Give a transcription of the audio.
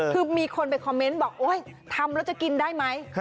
คือมีคนไปคอมเมนต์บอกโอ๊ยทำแล้วจะกินได้ไหม